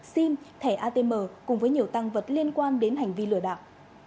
sim thẻ atm cùng với nhiều tăng vật liên quan đến hành vi lừa đảo